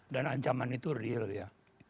dan ancaman itu real ya